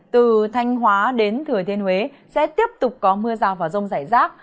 từ thanh hóa đến thừa thiên huế sẽ tiếp tục có mưa rào và rông rải rác